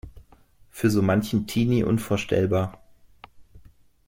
Für so manchen Teenie unvorstellbar.